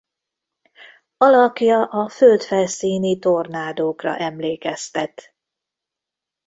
Alakja a földfelszíni tornádókra emlékeztet.